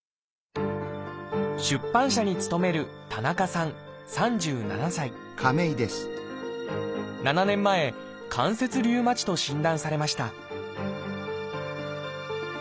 出版社に勤める７年前関節リウマチと診断されました